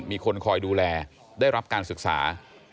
มีคนคอยดูแลได้รับการศึกษา